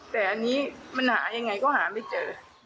แต่อันนี้มันหายังไงก็หาไม่เจอ